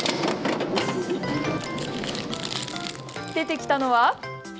出てきたのは。